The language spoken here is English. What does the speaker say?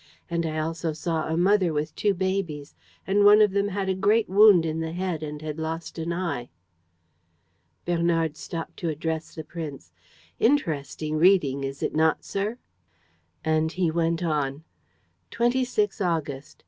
And I also saw a mother with two babies and one of them had a great wound in the head and had lost an eye.'" Bernard stopped to address the prince: "Interesting reading, is it not, sir?" And he went on: "'_26 August.